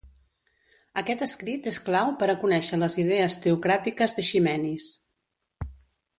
Aquest escrit és clau per a conéixer les idees teocràtiques d'Eiximenis.